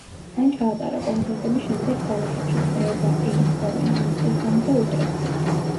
მან ჩაატარა კონცერტები შემდეგ ქალაქებში: ბრედა, ეინდჰოვენი, ამსტერდამი და უტრეხტი.